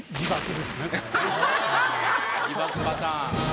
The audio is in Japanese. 自爆パターン。